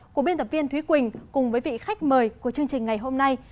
của biên tập viên thúy quỳnh cùng với vị khách mời của chương trình ngày hôm nay